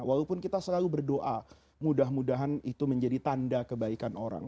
walaupun kita selalu berdoa mudah mudahan itu menjadi tanda kebaikan orang